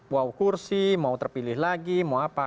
mau kursi mau terpilih lagi mau apa